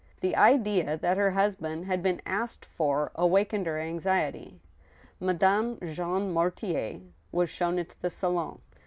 The idea that her husband had been asked for awakened her anxiety. Madame Jean Mortier was shown into the salon.